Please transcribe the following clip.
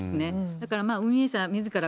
だから、運営者みずから